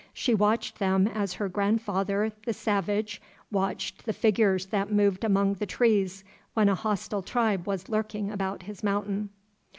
She watched them as her grandfather the savage watched the figures that moved among the trees when a hostile tribe was lurking about his mountain.